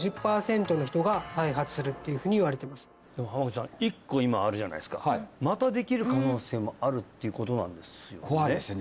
濱口さん１個今あるじゃないですかまたできる可能性もあるっていうことなんですよね怖いですよね